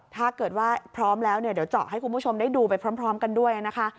ถ้าเกิดว่าพร้อมแล้วเนี่ยเดี๋ยวเจาะให้คุณผู้ชมได้ดูไปพร้อมกันด้วยนะคะ